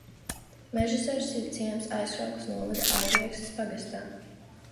Mežezers ir ciems Aizkraukles novada Aiviekstes pagastā.